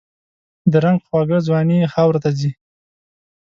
د رنګ خوږه ځواني یې خاوروته ځي